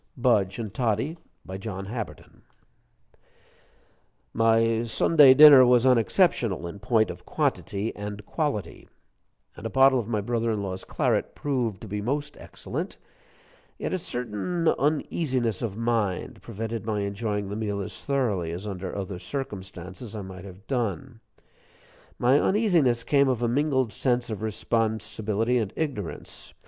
BUDGE AND TODDIE BY JOHN HABBERTON My Sunday dinner was unexceptional in point of quantity and quality, and a bottle of my brother in law's claret proved to be most excellent; yet a certain uneasiness of mind prevented my enjoying the meal as thoroughly as under other circumstances I might have done. My uneasiness came of a mingled sense of responsibility and ignorance.